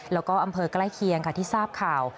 แล้วก็อำเภอใกล้เคียงค่ะที่ทราบข่าว